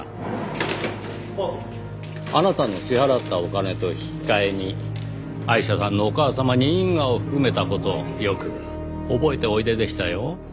あなたの支払ったお金と引き換えにアイシャさんのお母様に因果を含めた事よく覚えておいででしたよ。